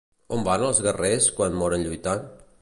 On van els guerrers que moren lluitant?